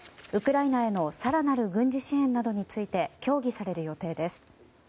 ウクライナへの更なる軍事支援などについて協議される予定です。